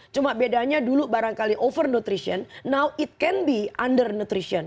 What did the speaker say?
cuma bedanya dulu barangkali overnutrition now it can be under nutrition